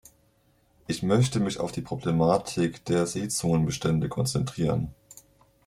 Ich möchte mich auf die Problematik der Seezungenbestände konzentrieren.